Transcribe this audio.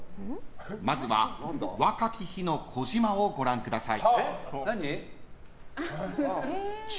まずは若き日の児嶋をご覧ください。